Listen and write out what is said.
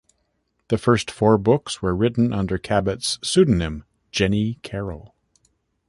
The first four books were written under Cabot's pseudonym, Jenny Carroll.